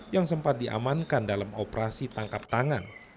yang sempat diamankan dalam operasi tangkap tangan